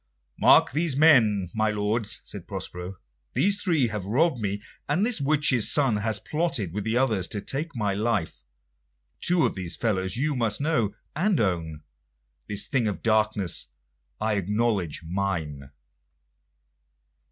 "Mark these men, my lords," said Prospero. "These three have robbed me, and this witch's son had plotted with the others to take my life. Two of these fellows you must know and own; this thing of darkness I acknowledge mine."